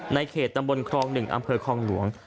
ในเขตตำบลครอง๑อำเภอคลองหลวง